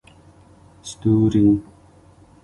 ستوري